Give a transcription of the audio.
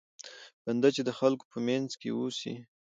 بنده چې د خلکو په منځ کې اوسي.